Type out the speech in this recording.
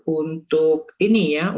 untuk ini ya untuk